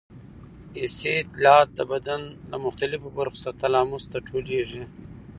حسي اطلاعات د بدن له مختلفو برخو څخه تلاموس ته ټولېږي.